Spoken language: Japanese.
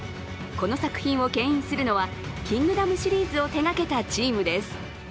この作品をけん引するのは「キングダム」シリーズを手がけたチームです。